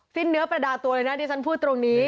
เนื้อประดาตัวเลยนะที่ฉันพูดตรงนี้